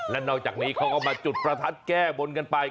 และนอกจากนี้เขาก็มาจุดประทัดแก้บนกันไป